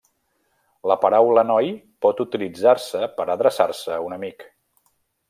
La paraula noi pot utilitzar-se per adreçar-se a un amic.